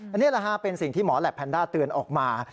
อันนี้แหละฮะเป็นสิ่งที่หมอแหลปแนนด้าเตือนออกมา